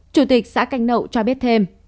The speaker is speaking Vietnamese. chủ tịch xã canh nậu cho biết thêm